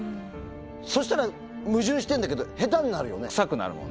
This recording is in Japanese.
そしたら、矛盾してるんだけど、下手になるよね。